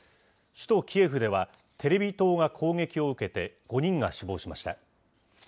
首都キエフでは、テレビ塔が攻撃を受けて、５人が死亡しました。